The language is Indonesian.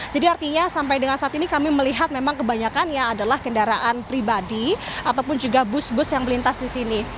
artinya sampai dengan saat ini kami melihat memang kebanyakannya adalah kendaraan pribadi ataupun juga bus bus yang melintas di sini